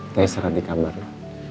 saya serah di kamarnya